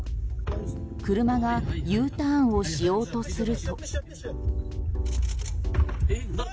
車がＵターンをしようとすると。